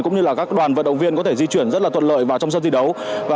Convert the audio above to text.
cũng như là các đoàn vận động viên có thể di chuyển rất là thuận lợi và trong sân thi đấu